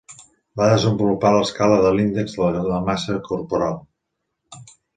Va desenvolupar l'escala de l'índex de massa corporal.